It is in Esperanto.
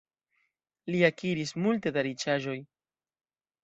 Li akiris multe da riĉaĵoj.